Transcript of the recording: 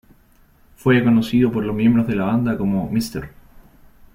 Fue conocido por los miembros de la banda como "Mr.